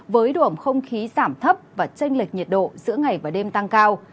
với đuổng không khí giảm thấp và tranh lệch nhiệt độ giữa ngày và đêm tăng cao